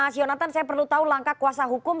ternyata saya perlu tahu langkah kuasa hukum